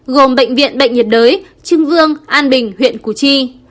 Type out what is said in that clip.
gồm bệnh viện bệnh nhiệt đới trưng vương an bình huyện củ chi